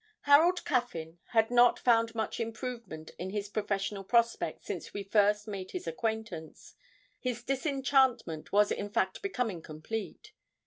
Harold Caffyn had not found much improvement in his professional prospects since we first made his acquaintance; his disenchantment was in fact becoming complete.